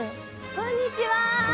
こんにちは。